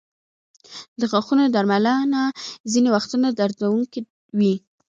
د غاښونو درملنه ځینې وختونه دردونکې وي.